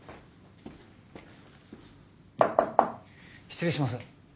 失礼します。